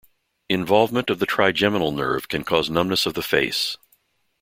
Involvement of the trigeminal nerve can cause numbness of the face.